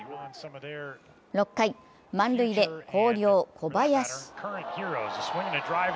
６回、満塁で広陵・小林。